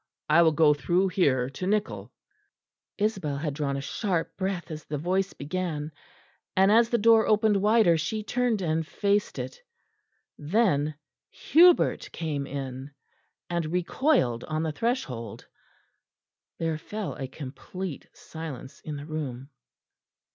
I will go through here to Nichol." Isabel had drawn a sharp breath as the voice began, and as the door opened wider she turned and faced it. Then Hubert came in, and recoiled on the threshold. There fell a complete silence in the room.